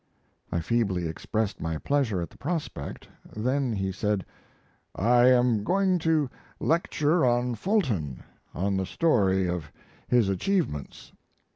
I feebly expressed my pleasure at the prospect. Then he said: "I am going to lecture on Fulton on the story of his achievements.